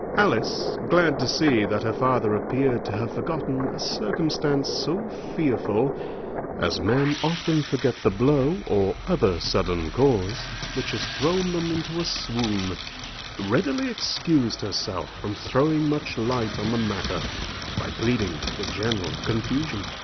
Alice, glad to see that her father appeared to have forgotten a circumstance so fearful, (as men often forget the blow, or other sudden cause, which has thrown them into a swoon,) readily excused herself from throwing much light on the matter, by pleading the general confusion.